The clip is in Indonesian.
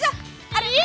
darah darah darah